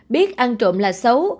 biết ăn trộm là xấu